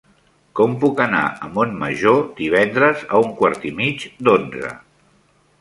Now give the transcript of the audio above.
Com puc anar a Montmajor divendres a un quart i mig d'onze?